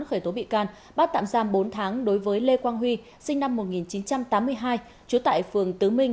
khởi tố bị can bắt tạm giam bốn tháng đối với lê quang huy sinh năm một nghìn chín trăm tám mươi hai trú tại phường tứ minh